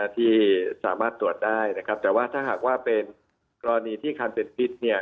ที่สามารถตรวจได้นะครับแต่ว่าถ้าหากว่าเป็นกรณีที่คันเป็นพิษเนี่ย